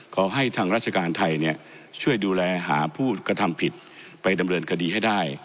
ขอให้ทางราชการไทยช่วยดูแลหาผู้กระทำผิดไปดำเนินคดีให้ได้